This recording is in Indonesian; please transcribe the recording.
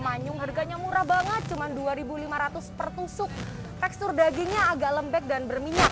manyung harganya murah banget cuman dua ribu lima ratus per tusuk tekstur dagingnya agak lembek dan berminyak